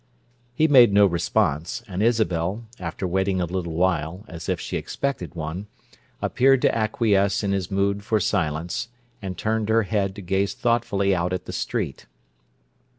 He made no response, and Isabel, after waiting a little while, as if she expected one, appeared to acquiesce in his mood for silence, and turned her head to gaze thoughtfully out at the street.